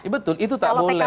betul itu tak boleh